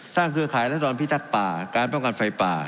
เครือข่ายรัศดรพิทักษ์ป่าการป้องกันไฟป่า